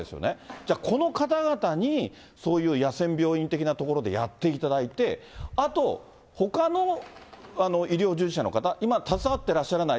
じゃあこの方々に、そういう野戦病院的な所でやっていただいて、あと、ほかの医療従事者の方、今携わってらっしゃらない